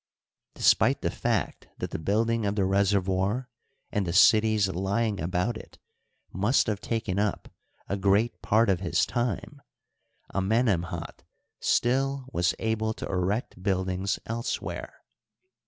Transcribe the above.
Despite the fact that the building of the reservoir and the cities lying about it must have taken up a great part of his time, Amenemhat still was able to erect buildings elsewhere.